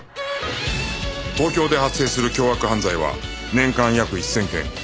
東京で発生する凶悪犯罪は年間約１０００件